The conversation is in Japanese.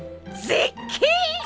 絶景！？